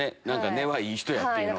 根はいい人やっていうの。